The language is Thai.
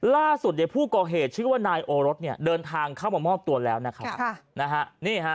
ล่าสุดเนี่ยผู้ก่อเหตุชื่อว่านายโอรสเนี่ยเดินทางเข้ามามอบตัวแล้วนะครับ